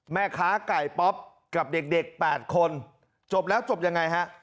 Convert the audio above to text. แม่ค้าไก่ป๊อปกับเด็ก๘คนจบแล้วจบยังไงฮะ